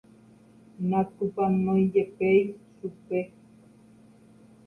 natupãnoijepéi chupe